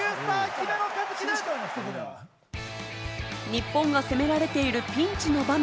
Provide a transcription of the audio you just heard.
日本が攻められているピンチの場面、